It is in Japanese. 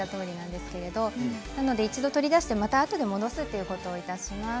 なので一度取り出してあとで戻すということをいたします。